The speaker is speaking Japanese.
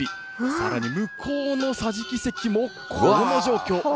さらに向こうの桟敷席もこの状況。